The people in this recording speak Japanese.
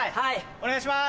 お願いします。